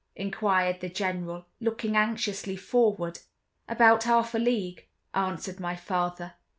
inquired the General, looking anxiously forward. "About half a league," answered my father.